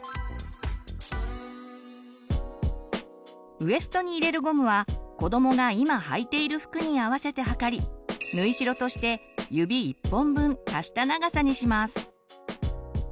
ウエストに入れるゴムはこどもが今はいている服に合わせて測り縫い代として指１本分足した長さにします。